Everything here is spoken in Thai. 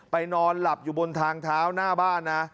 นอนหลับอยู่บนทางเท้าหน้าบ้านนะ